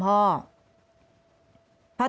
พ่อจ๋า